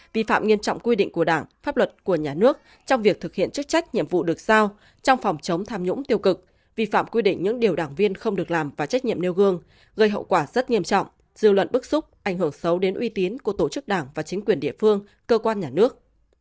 vi phạm nghiêm trọng quy định của đảng pháp luật của nhà nước trong việc thực hiện chức trách nhiệm vụ được sao trong phòng chống tham nhũng tiêu cực vi phạm quy định những điều đảng viên không được làm và trách nhiệm nêu gương gây hậu quả rất nghiêm trọng dư luận bức xúc ảnh hưởng xấu đến uy tín của tổ chức đảng và chính quyền địa phương cơ quan nhà nước